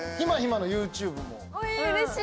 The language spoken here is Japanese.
えうれしい！